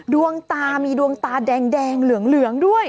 ดวงตามีดวงตาแดงเหลืองด้วย